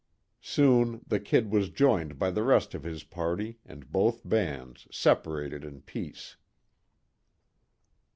Soon the "Kid" was joined by the rest of his party and both bands separated in peace.